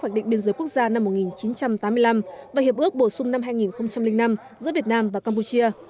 hoạch định biên giới quốc gia năm một nghìn chín trăm tám mươi năm và hiệp ước bổ sung năm hai nghìn năm giữa việt nam và campuchia